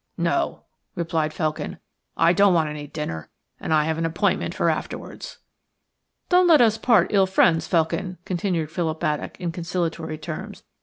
'' "No," replied Felkin, "I don't want any dinner, and I have an appointment for afterwards." "Don't let us part ill friends, Felkin," continued Philip Baddock in conciliatory tones.